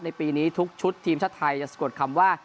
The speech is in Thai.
ปีนี้ทุกชุดทีมชาติไทยจะสะกดคำว่า